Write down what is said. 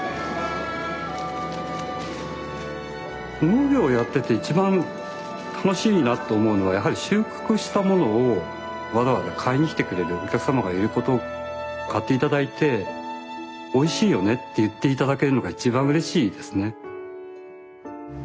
農業やってて一番楽しいなと思うのはやはり収穫したものをわざわざ買いに来てくれるお客様がいること買って頂いておいしいよねって言って頂けるのが一番うれしいですね。